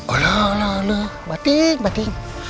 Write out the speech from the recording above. alah alah alah batin batin